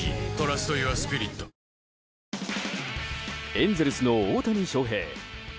エンゼルスの大谷翔平。